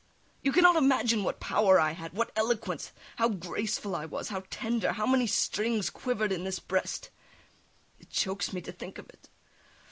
You cannot imagine what power I had, what eloquence; how graceful I was, how tender; how many strings [beats his breast] quivered in this breast! It chokes me to think of it!